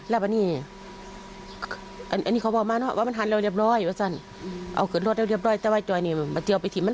อันนี้เขาบอกมาว่ามันทำทานเร็วละเองว่าซัน